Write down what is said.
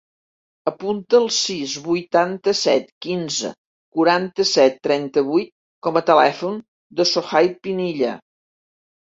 Apunta el sis, vuitanta-set, quinze, quaranta-set, trenta-vuit com a telèfon del Sohaib Pinilla.